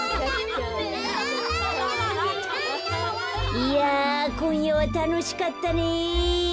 いやこんやはたのしかったね。